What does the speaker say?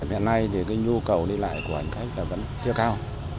hiện nay thì nhu cầu đi lại của hành khách vẫn chưa cao